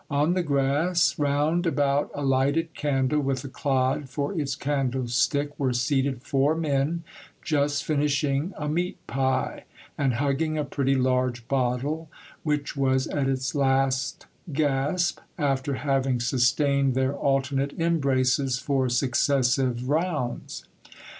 On the grass, round about a lighted candle with a clod for its candlestick, were seated four men, just finishing a meat pie, and hugging a pretty large bottle, which was at its last gasp, after having sustained their alternate embraces for successive rounds.